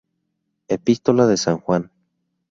Epístola de san Juan